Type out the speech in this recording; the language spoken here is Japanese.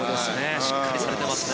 しっかりされてますね。